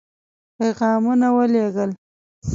پيغامونه ولېږل.